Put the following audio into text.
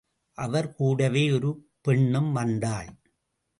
அவர் கூடவே ஒரு பெண்ணும் வந்தாள்.